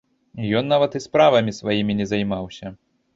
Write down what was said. Ён нават і справамі сваімі не займаўся.